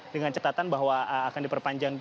dengan catatan bahwa akan diperpanjang